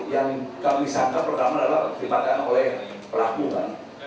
yang kami sangka pertama adalah dimakan oleh pelakuan